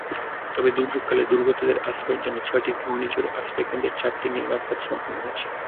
তবে দুর্যোগকালে দুর্গতদের আশ্রয়ের জন্য ছয়টি ঘূর্ণিঝড় আশ্রয়কেন্দ্রের চারটির নির্মাণকাজ সম্পন্ন হয়েছে।